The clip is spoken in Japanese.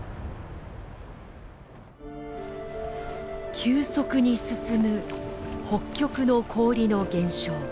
急速に進む北極の氷の減少。